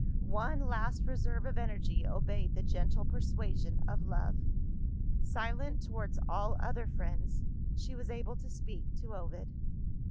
One last reserve of energy obeyed the gentle persuasion of love. Silent towards all other friends, she was able to speak to Ovid.